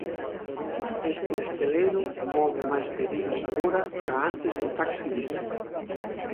Esta estaleiro move máis pedidos agora ca antes do tax lease.